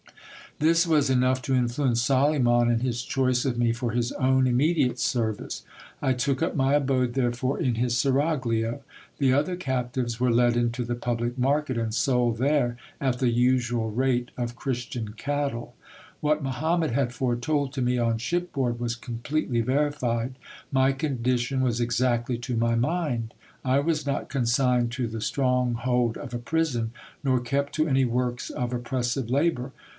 This was enough to influence Soliman in his choice of me for his own immediate service. I took up my abode therefore in his seraglio. The other captives were led into the public market, and sold there at the usual rate of Christian cattle. What Mahomet had foretold to me on ship board was completely veri fied ; my condition was exactly to my mind. I was not consigned to the strong hold of a prison, nor kept to any works of oppressive labour.